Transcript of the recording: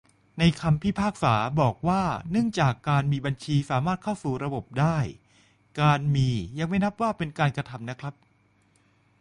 ในคำพิพากษา บอกว่าเนื่องจากมีบัญชีสามารถเข้าสู่ระบบได้ - การ'มี' ยังไม่น่านับเป็นการกระทำนะครับ